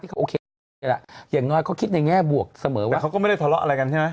เขาโอเคล่ะอย่างน้อยเขาคิดในแง่บวกเสมอว่าเขาก็ไม่ได้ทะเลาะอะไรกันใช่ไหม